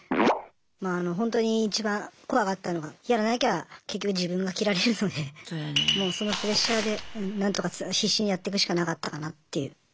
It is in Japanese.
まあほんとにいちばん怖かったのがやらなきゃ結局自分が切られるのでもうそのプレッシャーで何とか必死にやってくしかなかったかなっていう。